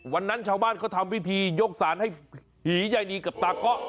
วันนั้นชาวบ้านเขาทำพิธียกสารให้ผียายนีกับตาเกาะ